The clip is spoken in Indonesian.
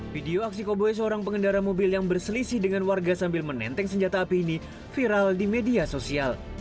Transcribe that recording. video aksi koboi seorang pengendara mobil yang berselisih dengan warga sambil menenteng senjata api ini viral di media sosial